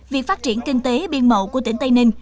việc phát triển kinh tế biên mậu của tỉnh tây ninh